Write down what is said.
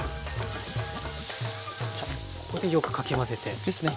ここでよくかき混ぜて。ですね。